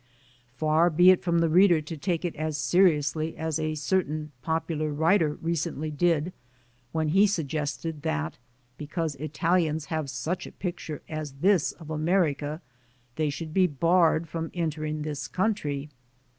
Far be it from the reader to take it as seriously as a certain popular writer re cently did when he suggested that, because Italians have such a picture as this of America, they should be barred from entering this country.